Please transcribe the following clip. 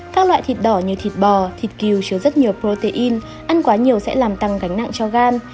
các loại thịt đỏ như thịt bò thịt cừu chứa rất nhiều protein ăn quá nhiều sẽ làm tăng gánh nặng cho gan